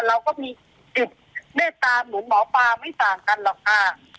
เราก็มีจุดเมตตาเหมือนหมอปลาไม่ต่างกันหรอกค่ะ